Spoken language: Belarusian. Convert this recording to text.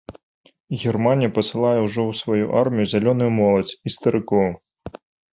Германія пасылае ўжо ў сваю армію зялёную моладзь і старыкоў.